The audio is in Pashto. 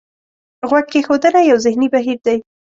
غوږ کېښودنه یو ذهني بهیر دی.